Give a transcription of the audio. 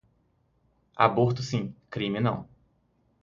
Aborto sim, crime não